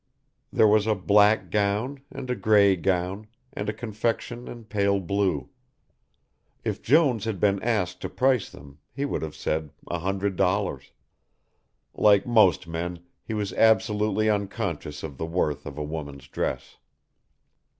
There was a black gown and a grey gown and a confection in pale blue. If Jones had been asked to price them he would have said a hundred dollars. Like most men he was absolutely unconscious of the worth of a woman's dress.